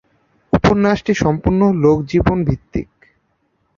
উপন্যাসটি সম্পূর্ণ লোকজীবনভিত্তিক।